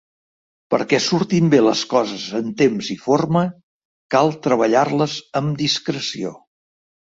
Perquè surtin bé les coses en temps i forma cal treballar-les amb discreció.